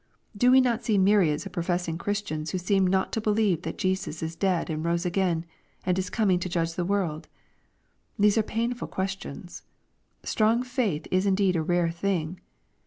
Do we not see myriads of professing Christians who seem not to believe that Jesus died alodTrose again, and is coming to judge the world ? These are'palnful questions. Strong faith is indeed a rare thing.